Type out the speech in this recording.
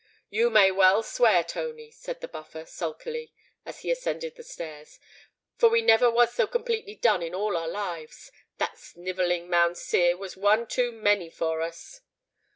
"You may well swear, Tony," said the Buffer, sulkily, as he ascended the stairs; "for we never was so completely done in all our lives. That snivelling Mounseer was one too many for us."